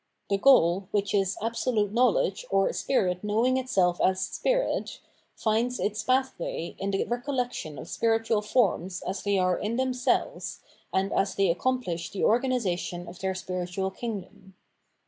The goal, which is Absolute Knowledge or Spirit knowing itself as Spirit, finds its pathway in the recollection of spiritual forms as they are in themselves and as they accomplish the organisation of their spiritual kingdom.